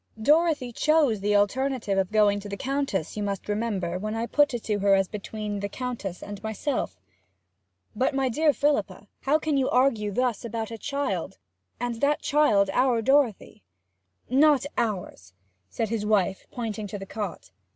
Dorothy chose the alternative of going to the Countess, you must remember, when I put it to her as between the Countess and myself.' 'But, my dear Philippa, how can you argue thus about a child, and that child our Dorothy?' 'Not ours,' said his wife, pointing to the cot.